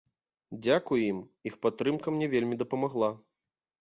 Дзякуй ім, іх падтрымка мне вельмі дапамагла.